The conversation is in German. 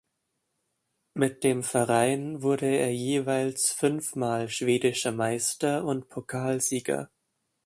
Mit dem Verein wurde er jeweils fünf Mal schwedischer Meister und Pokalsieger.